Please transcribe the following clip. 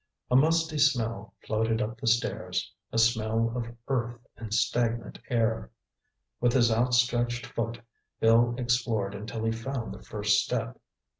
A musty smell floated up the stairs—a smell of earth and stagnant air. With his outstretched foot, Bill explored until he found the first step.